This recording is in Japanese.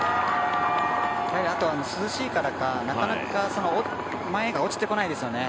涼しいからかなかなか前が落ちてこないですね。